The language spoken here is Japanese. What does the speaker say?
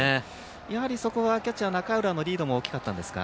やはりそこはキャッチャーの中浦のリードも大きかったですか？